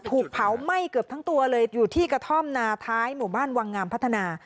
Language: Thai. ถูกเผาไหม้เกือบทั้งตัวเลยอยู่ที่กระท่อมนาท้ายหมู่บ้านวังงามพัฒนา